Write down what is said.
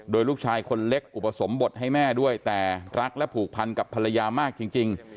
โดยลูกชายคนเล็กอุปสมบทให้แม่ด้วยแต่รักและผูกพันกับภรรยามากจริง